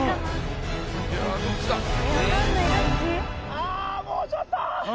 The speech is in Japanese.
あーっもうちょっと！